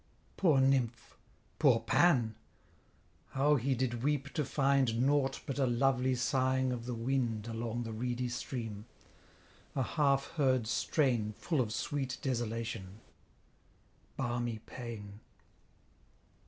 Poor nymph, poor Pan, how he did weep to find, Nought but a lovely sighing of the wind Along the reedy stream; a half heard strain, Full of sweet desolation balmy pain.